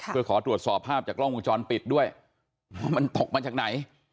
เพื่อขอตรวจสอบภาพจากกล้องวงจรปิดด้วยว่ามันตกมาจากไหน